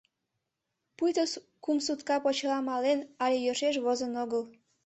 Пуйто кум сутка почела мален але йӧршеш возын огыл.